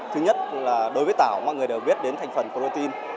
thứ nhất là đối với tảo mọi người đều biết đến thành phần protein